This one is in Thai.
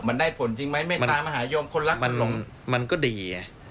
มันได้ผลจริงไหมเมตตามหาโยมคนรักมันลงมันก็ดีไง